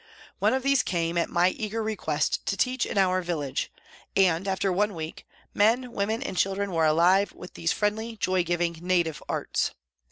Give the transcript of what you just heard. One of these came, at my eager request, to teach in our village, and, after one week, men, women and children were alive with these friendly, joy giving, native arts.